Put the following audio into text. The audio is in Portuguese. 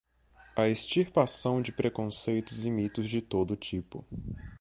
a extirpação de preconceitos e mitos de todo tipo